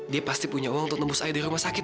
dia pasti punya uang untuk tembus air di rumah sakit